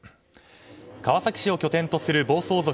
川崎市を拠点とする暴走族